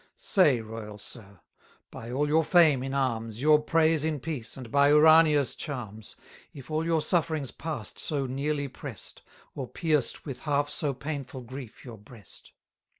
Say, royal Sir! by all your fame in arms, Your praise in peace, and by Urania's charms, 1100 If all your sufferings past so nearly press'd, Or pierced with half so painful grief your breast?